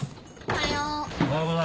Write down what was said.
おはよう。